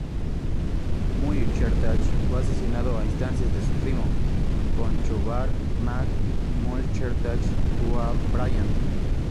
Muirchertach fue asesinado a instancias de su primo Conchobar mac Muirchertach Ua Briain.